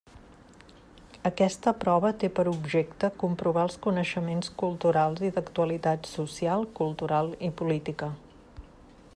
Aquesta prova té per objecte comprovar els coneixements culturals i d'actualitat social, cultural i política.